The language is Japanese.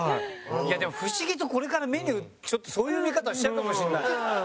でも不思議とこれからメニューそういう見方しちゃうかもしれない。